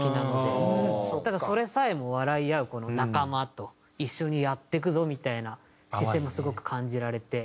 ただそれさえも笑い合う仲間と一緒にやっていくぞみたいな姿勢もすごく感じられて。